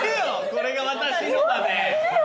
「これが私の」まで。